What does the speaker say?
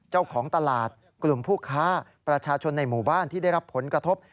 เจ้าของตลาดกลุ่มผู้ค้าประชาชนในหมู่บ้านที่ได้รับผลกระทบ